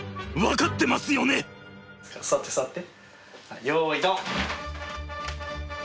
座って座って。